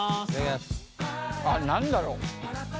あっ何だろう。